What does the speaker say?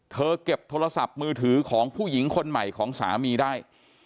เก็บโทรศัพท์มือถือของผู้หญิงคนใหม่ของสามีได้